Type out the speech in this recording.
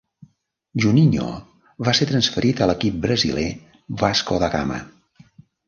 Juninho va ser transferit a l'equip brasiler Vasco da Gama.